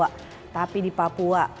bukan di jawa tapi di papua